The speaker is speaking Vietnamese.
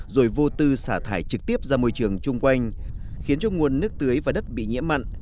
rồi vô tư xả thải trực tiếp ra môi trường chung quanh khiến cho nguồn nước tưới và đất bị nhiễm mặn